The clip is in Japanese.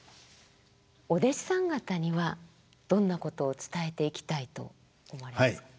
お弟子さん方にはどんなことを伝えていきたいと思われますか？